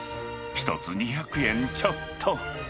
１つ２００円ちょっと。